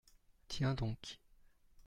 Tiens donc !